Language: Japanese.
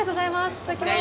いただきます。